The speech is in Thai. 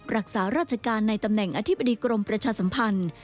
รักษาราชการในตำแหน่งอธิบดีกรมประชาสัมพันธ์